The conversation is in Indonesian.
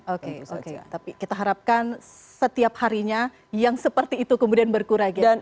oke oke tapi kita harapkan setiap harinya yang seperti itu kemudian berkurang